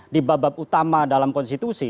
di bab bab utama dalam konstitusi